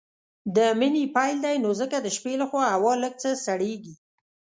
د مني پيل دی نو ځکه د شپې لخوا هوا لږ څه سړييږي.